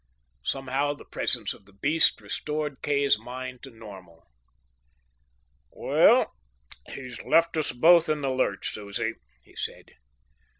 Somehow the presence of the beast restored Kay's mind to normal. "Well, he's left us both in the lurch, Susie," he said.